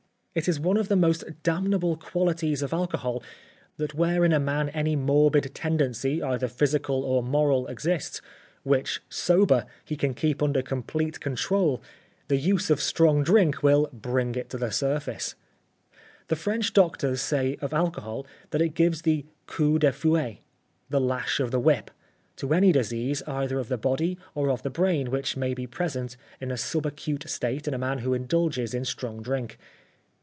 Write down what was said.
It is one of the most damnable qualities of alcohol that where in a man any morbid tendency either physical or moral exists, which, sober, he can keep under complete control, the use of strong drink will bring it to the surface. The French doctors say of alcohol that it gives the coup de fouet (the lash of the whip) to any disease either of the body or of the brain which may be present in a sub acute state in a man who indulges in strong drink.